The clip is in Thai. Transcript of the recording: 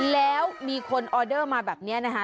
แล้วมีคนออเดอร์มาแบบนี้นะคะ